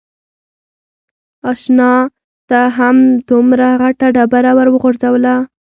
اشنا تا هم دومره غټه ډبره ور و غورځوله.